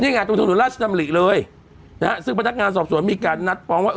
นี่ไงตรงถนนราชดำริเลยนะฮะซึ่งพนักงานสอบสวนมีการนัดฟ้องว่า